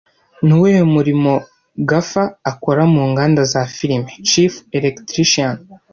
Ni uwuhe murimo Gaffer akora mu nganda za firime Chief Electrician